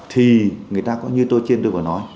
thì người ta có như tôi trên tôi vừa nói